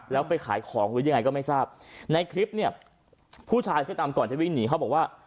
แล้วไปขายของหรือยังไงก็ไม่ทราบในคลิปเนี่ยผู้ชายเสื้อดำก่อนจะวิ่งหนีเขาบอกว่า